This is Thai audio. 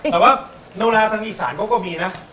แต่ว่าโนราสังหิตศาลเขาก็มีนะ